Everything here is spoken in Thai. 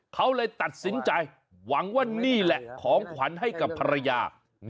เขาเลยตัดสินใจหวังว่านี่แหละของขวัญให้กับภรรยา